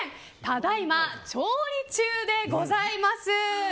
ただいま調理中でございます。